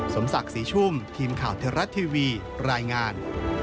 สมศักดิ์ศรีชุ่มทีมข่าวเทวรัฐทีวีรายงาน